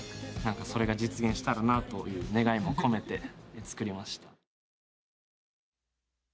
それが実現したらという願いも込めて作りました。